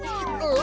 お？